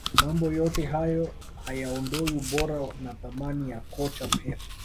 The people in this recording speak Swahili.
mambo yote hayo hayaondoi ubora na thamani ya kocha pep